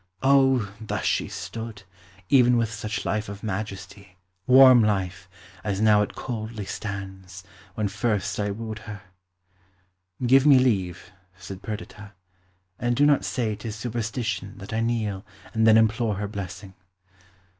"O, thus she stood, even with such life of majesty, warm life, as now it coldly stands, when first I wooed her!" "Give me leave," said Perdita, "and do not say 'tis superstition that I kneel and then implore her blessing.